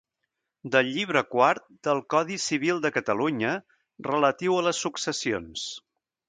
Del llibre quart del Codi civil de Catalunya, relatiu a les successions.